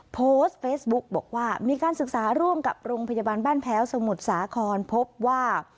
โพสต์เฟซบุ๊กบอกว่ามีการศึกษาร่วมกับโรงพยาบาลบ้านแพ้วสมุทรสาครพบว่า